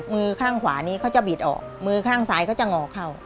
มือข้างขวานี้เขาจะบิดออกมือข้างซ้ายเขาจะงอเข้า